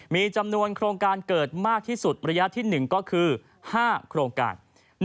มีจำนวนโครงการเกิดมากที่สุดระยะที่๑ก็คือ๕โครงการ